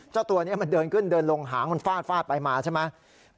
เจ้าตัวนี้มันเดินขึ้นเดินลงหางมันฟาดฟาดไปมาใช่ไหม